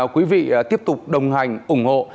quý vị tiếp tục đồng hành ủng hộ